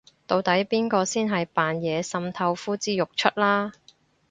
到底邊個先係扮嘢滲透呼之欲出啦